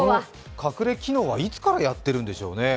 隠れ機能はいつからやってるんでしょうね。